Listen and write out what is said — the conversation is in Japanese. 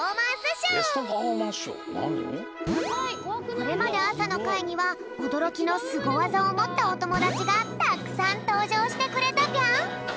これまであさのかいにはおどろきのスゴわざをもったおともだちがたくさんとうじょうしてくれたぴょん。